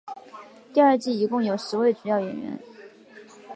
第二季一共有十位主要演员。